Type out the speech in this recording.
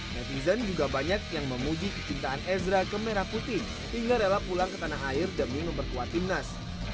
netizen juga banyak yang memuji kecintaan ezra ke merah putih hingga rela pulang ke tanah air demi memperkuat timnas